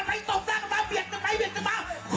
เบียงตึกไล่เบียงตึกมา